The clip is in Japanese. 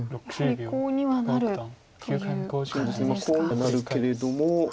コウにはなるけれども。